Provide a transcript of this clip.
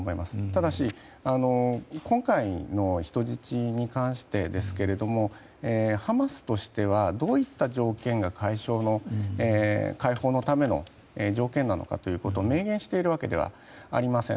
ただし今回の人質に関してですがハマスとしてはどういった条件が解放のための条件なのかを明言しているわけではありません。